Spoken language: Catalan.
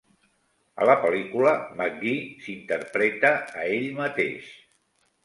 A la pel·lícula, McGee s'interpreta a ell mateix.